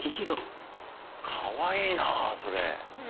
かわいいなそれ。